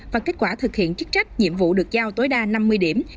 và kết quả thực hiện chức trách nhiệm vụ được giao tối đa năm mươi điểm